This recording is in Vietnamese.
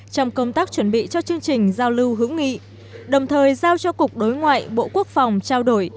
trong công tác chuẩn bị cho chương trình giao lưu hữu nghị đồng thời giao cho cục đối ngoại bộ quốc phòng trao đổi